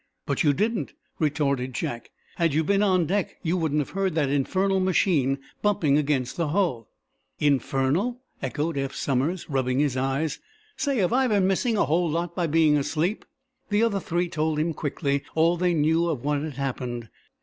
"But you didn't," retorted Jack. "Had you been on deck you wouldn't have heard that infernal machine bumping against the hull." "Infernal?" echoed Eph Somers, rubbing his eyes. "Say, have I been missing a whole lot by being asleep?" The other three told him quickly all they knew of what had happened.